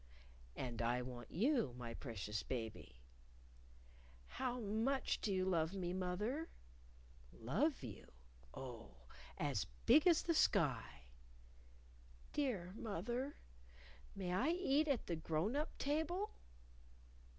And I want you, my precious baby.... How much do you love me, moth er?... Love you? oh, big as the sky!... Dear moth er, may I eat at the grown up table?...